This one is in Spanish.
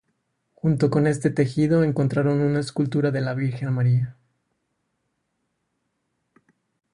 Junto con este tejido, encontraron una escultura de la Virgen María.